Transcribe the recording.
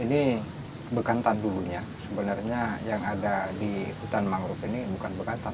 ini bekantan dulunya sebenarnya yang ada di hutan mangrove ini bukan bekantan